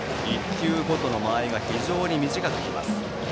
１球ごとの間合いが非常に短くなっています。